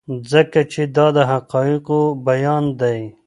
ځکه چې دا د حقایقو بیان دی.